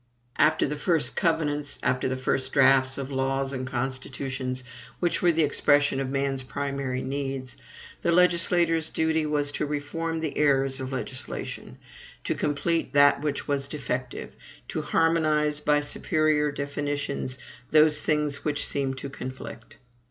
After the first covenants, after the first draughts of laws and constitutions, which were the expression of man's primary needs, the legislator's duty was to reform the errors of legislation; to complete that which was defective; to harmonize, by superior definitions, those things which seemed to conflict.